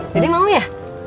dede mau ya